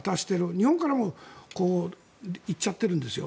日本からも行っちゃってるんですよ。